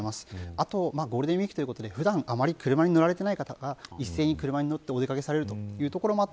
あと、ゴールデンウイークということで、普段あまり車に乗られていない方が一斉に車に乗ってお出掛けされるということもあり